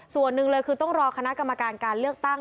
ส่วนหนึ่งเลยคือต้องรอคณะกรรมการการเลือกตั้ง